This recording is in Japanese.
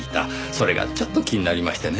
それがちょっと気になりましてね。